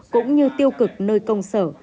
cũng như tiêu cực nơi công sở